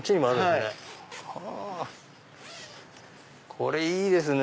これいいですね！